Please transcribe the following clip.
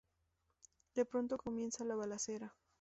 De pronto comienza la balacera.